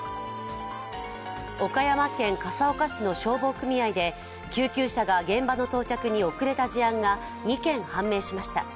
岡山県笠岡市の消防組合で救急車が現場の到着に遅れた事案が２件判明しました。